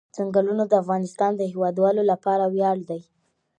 چنګلونه د افغانستان د هیوادوالو لپاره ویاړ دی.